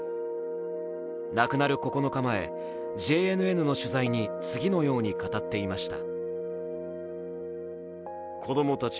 亡くなる９日前、ＪＮＮの取材に次のように語っていました。